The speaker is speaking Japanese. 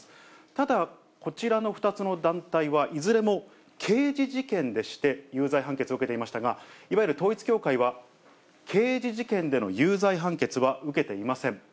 ただ、こちらの２つの団体は、いずれも刑事事件でして、有罪判決を受けていましたが、いわゆる統一教会は、刑事事件での有罪判決は受けていません。